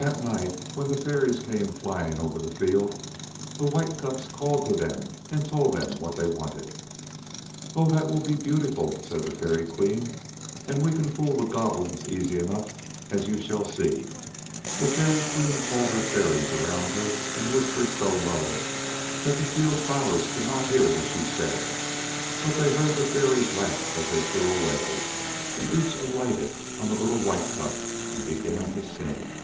That night when the Fairies came flying over the field the White Cups called to them and told them what they wanted. "Oh, that will be beautiful," said the Fairy Queen, "and we can fool the Goblins easy enough, as you shall see." The Fairy Queen called her Fairies around her and whispered so low that the field flowers could not hear what she said, but they heard the Fairies laugh as they flew away, and each alighted on a little White Cup and began to sing.